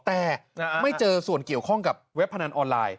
แต่ไม่เจอส่วนเกี่ยวข้องกับเว็บพนันออนไลน์